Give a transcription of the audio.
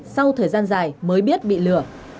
sau thời gian dài mới biết bị lừa